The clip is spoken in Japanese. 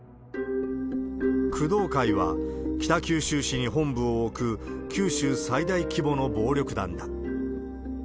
工藤会は、北九州市に本部を置く、九州最大規模の暴力団だ。